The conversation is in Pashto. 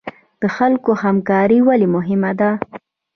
د خلکو همکاري ولې مهمه ده؟